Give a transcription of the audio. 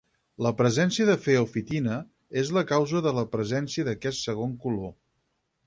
La presència de feofitina és la causa de la presència d'aquest segon color.